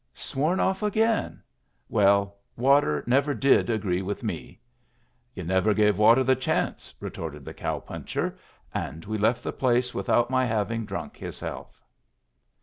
"Sworn off again? Well, water never did agree with me." "Yu' never gave water the chance," retorted the cow puncher, and we left the place without my having drunk his health.